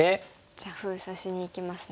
じゃあ封鎖しにいきますね。